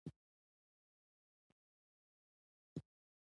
د خصت اخیستلو پر مهال ټینګار وکړ.